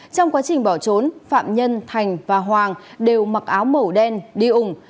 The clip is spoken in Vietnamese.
trong quá trình bỏ trốn phạm nhân thành và hoàng đều mặc áo màu đen đi ủng